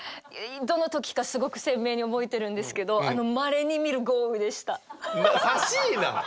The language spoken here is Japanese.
どの時かすごく鮮明に覚えてるんですけどさしぃな！